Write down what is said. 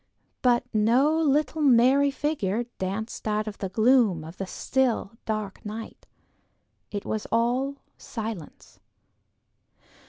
But no little merry figure danced out of the gloom of the still, dark night; it was all silence.